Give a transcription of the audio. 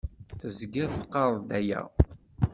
Tezgiḍ teqqareḍ-d aya.